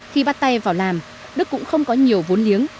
khi bắt tay vào làm đức cũng không có nhiều vốn liếng